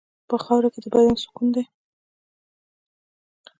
په خاوره کې د بدن سکون دی.